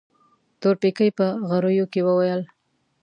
تورپيکۍ په غريو کې وويل.